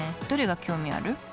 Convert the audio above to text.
どれが興味ある。